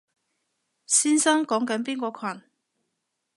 先生講緊邊個群？